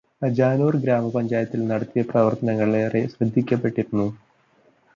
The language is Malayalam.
അജാനൂർ ഗ്രാമപഞ്ചായത്തിൽ നടത്തിയ പ്രവർത്തനങ്ങൾ ഏറെ ശ്രദ്ധിക്കപ്പെട്ടിരുന്നു.